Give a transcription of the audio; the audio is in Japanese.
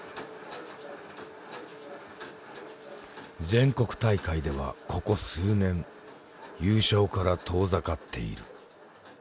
全国大会ではここ数年優勝から遠ざかっている。